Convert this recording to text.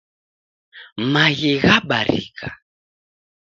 Maghi ghabarika